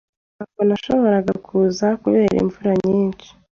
Ntabwo nashoboraga kuza kubera imvura nyinshi.